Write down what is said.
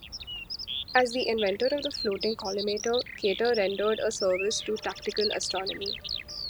As the inventor of the floating collimator, Kater rendered a service to practical astronomy.